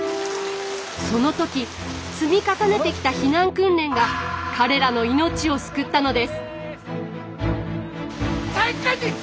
その時積み重ねてきた避難訓練が彼らの命を救ったのです。